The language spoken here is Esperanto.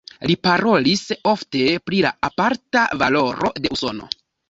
Li parolis ofte pri la aparta valoro de Usono.